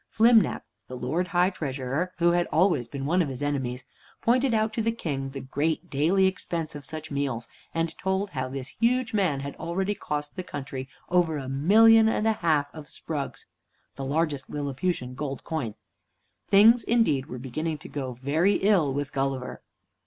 Flimnap, the Lord High Treasurer, who had always been one of his enemies, pointed out to the King the great daily expense of such meals, and told how this huge man had already cost the country over a million and a half of sprugs (the largest Lilliputian gold coin). Things, indeed, were beginning to go very ill with Gulliver.